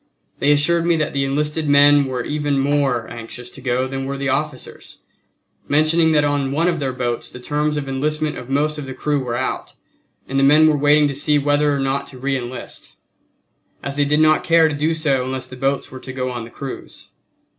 They assured me that the enlisted men were even more anxious to go than were the officers, mentioning that on one of their boats the terms of enlistment of most of the crew were out, and the men were waiting to see whether or not to reenlist, as they did not care to do so unless the boats were to go on the cruise.